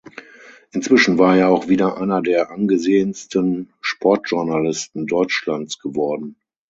Inzwischen war er auch wieder einer der angesehensten Sportjournalisten Deutschlands geworden.